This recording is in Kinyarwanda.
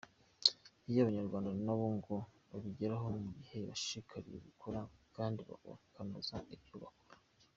Ibyo Abanyarwanda nabo ngo babigeraho mu gihe bashishikariye gukora kandi bakanoza ibyo bakora.